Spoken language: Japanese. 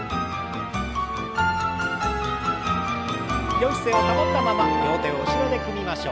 よい姿勢を保ったまま両手を後ろで組みましょう。